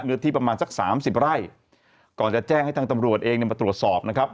เนื้อที่ประมาณสัก๓๐ไร่ก่อนจะแจ้งให้ทางตำรวจเองมาตรวจสอบนะครับ